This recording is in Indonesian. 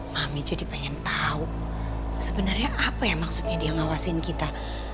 mami jadi pengen tahu sebenarnya apa ya maksudnya dia ngawasin kita